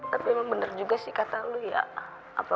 tapi emang bener juga sih kata lo ya